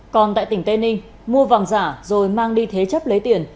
còn tại tỉnh tây ninh mua vàng giả rồi mang đi thế chấp lấy tiền